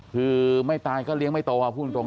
คือไม่ตายก็เลี้ยงไม่โตค่ะพูดจริงอ่ะ